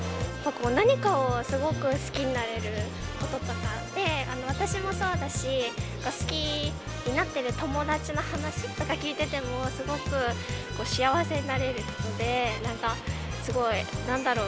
何かをすごく好きになれることとかって、私もそうだし、好きになってる友達の話とかを聞いてても、すごく幸せになれるので、なんか、すごいなんだろう？